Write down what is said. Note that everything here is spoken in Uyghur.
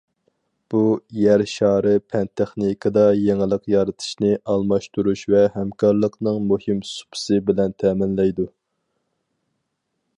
بۇ، يەر شارى پەن- تېخنىكىدا يېڭىلىق يارىتىشنى ئالماشتۇرۇش ۋە ھەمكارلىقنىڭ مۇھىم سۇپىسى بىلەن تەمىنلەيدۇ.